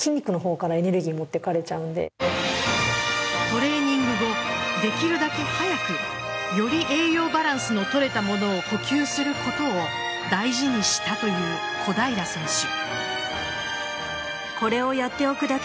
トレーニング後できるだけ早くより栄養バランスのとれたものを補給することを大事にしたという小平選手。